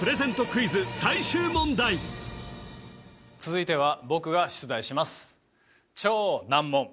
クイズ最終問題続いては僕が出題します